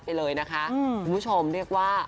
ผู้ชมเรียกว่า